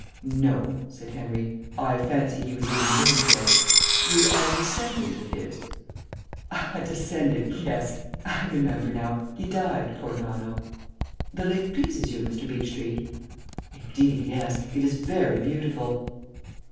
"No," said Henry. "I fancy he was even then dead. You are a descendant of his?" "A descendant yes. I remember now; he died, poor nonno.... The lake pleases you, Mr. Beechtree?" "Indeed, yes. It is very beautiful."